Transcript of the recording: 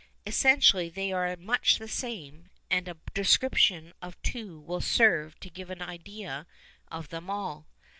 Essentially they are much the same, and a description of two will serve to give an idea of them all.